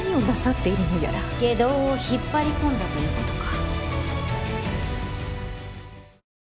外道を引っ張り込んだということか。